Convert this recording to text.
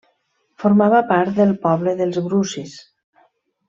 Formava part del poble dels brucis.